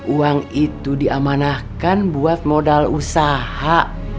uang itu diamanahkan buat modal usaha